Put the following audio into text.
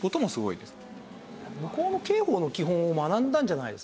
向こうの刑法の基本を学んだんじゃないですかね。